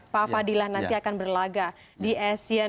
pak fadilah nanti akan berlaga di asian